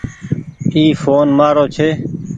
اي ڦون مآرو ڇي۔